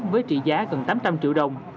với trị giá gần tám trăm linh triệu đồng